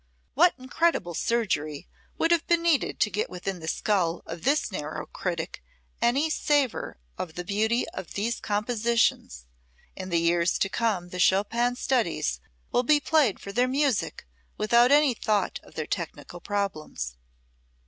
What incredible surgery would have been needed to get within the skull of this narrow critic any savor of the beauty of these compositions! In the years to come the Chopin studies will be played for their music, without any thought of their technical problems.